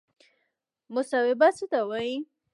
مصوبه څه ته وایي؟